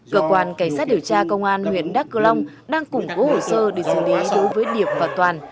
cơ quan cảnh sát điều tra công an huyện đắk cơ long đang củng cố hồ sơ để xử lý đối với điệp và toàn